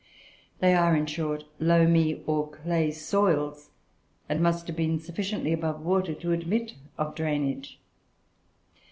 They are, in short, loamy or clay soils, and must have been sufficiently above water to admit of drainage.